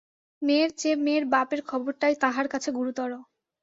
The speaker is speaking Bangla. মেয়ের চেয়ে মেয়ের বাপের খবরটাই তাঁহার কাছে গুরুতর।